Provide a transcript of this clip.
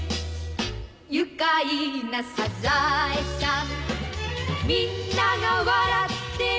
「愉快なサザエさん」「みんなが笑ってる」